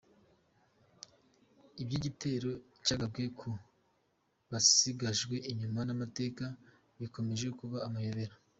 Iby’igitero cyagabwe ku Basigajwe inyuma n’amateka bikomeje kuba amayobera